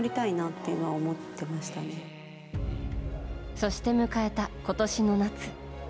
そして迎えた今年の夏。